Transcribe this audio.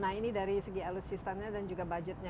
nah ini dari segi alutsistanya dan juga budgetnya